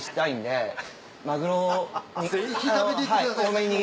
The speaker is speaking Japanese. ぜひ食べていってください！